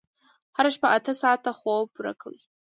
هره شپه اته ساعته خوب پوره کوئ.